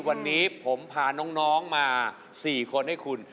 วันนี้ผมพาน้องมา๔คนให้คุณ